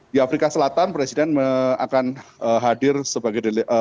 di afrika selatan presiden akan hadir sebagai